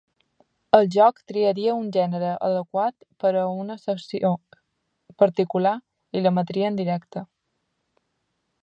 El joc triaria un gènere adequat per a una secció particular i l'emetria en directe.